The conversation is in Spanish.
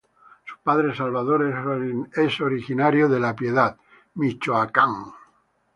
Su padre, Salvador, es originario de La Piedad, Michoacán.